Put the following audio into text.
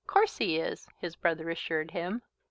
"Course he is," his brother assured him.